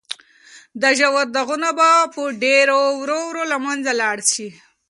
دا ژور داغونه به په ډېرې ورو ورو له منځه لاړ شي.